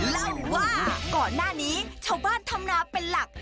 เล่าว่าก่อนหน้านี้ชาวบ้านทำนาเป็นหลัก